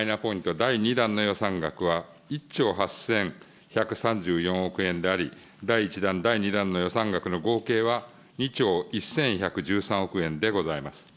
第２弾の予算額は、１兆８１３４億円であり、第１弾、第２弾の予算額の合計は２兆１１１３億円でございます。